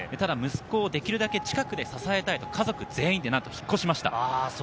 息子をできるだけ近くで支えたい、家族全員で引っ越しました。